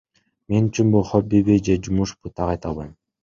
Мен үчүн бул хоббиби же жумушпу так айта албайм.